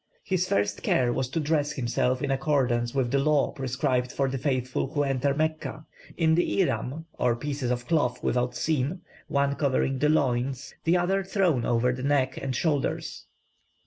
His first care was to dress himself in accordance with the law prescribed for the faithful who enter Mecca in the "ihram," or pieces of cloth without seam, one covering the loins, the other thrown over the neck and shoulders.